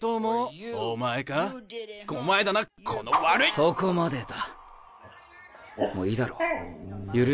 そこまでだ。